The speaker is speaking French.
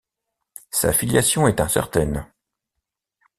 Sa filiation est incertaine.